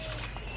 tidak ada apa apa